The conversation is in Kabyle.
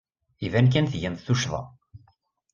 Iban kan tgamt tuccḍa.